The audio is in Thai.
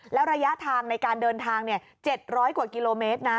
แล้วระยะทางในการเดินทาง๗๐๐กว่ากิโลเมตรนะ